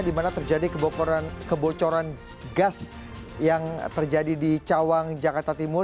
di mana terjadi kebocoran gas yang terjadi di cawang jakarta timur